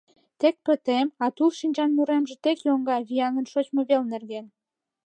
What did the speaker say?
Тек пытем, а тул шинчан муремже Тек йоҥга вияҥын шочмо вел нерген.